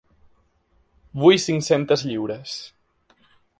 Vull cinc-centes lliures.